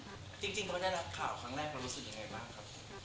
จริงเราได้รับข่าวครั้งแรกเรารู้สึกยังไงบ้างครับ